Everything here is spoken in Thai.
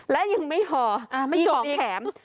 และยังไม่พออีกของแถม